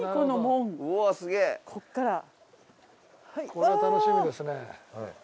これは楽しみですね。